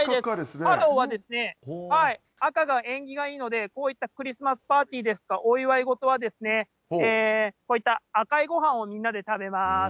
パラオは赤が縁起がいいんで、こういったクリスマスパーティーですとか、お祝い事は、こういった赤いごはんをみんなで食べます。